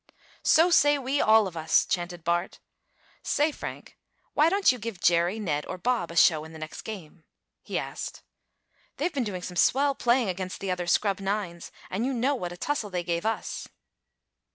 "So say we all of us!" chanted Bart. "Say, Frank, why don't you give Jerry, Ned or Bob a show in the next game?" he asked. "They have been doing some swell playing against the other scrub nines, and you know what a tussle they gave us."